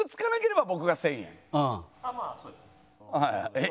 えっ？